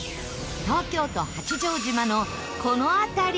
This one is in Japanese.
東京都八丈島のこの辺り。